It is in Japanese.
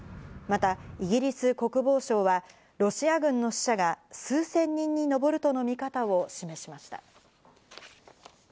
またイギリス国防省はロシア軍の死者が数千人に上るとの見方を示しました。